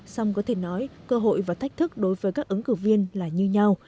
xong có thể nói cơ hội và thách thức đối với các ứng cử viên là như nhau